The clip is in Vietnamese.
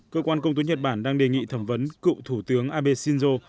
cơ quan công tố nhật bản đang đề nghị thẩm vấn cựu thủ tướng abe shinzo